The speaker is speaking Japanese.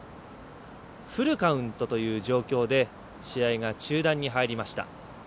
フルカウントという状況で試合が中断に入りました。